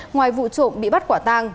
ngoài vụ trộm bị bắt quả tang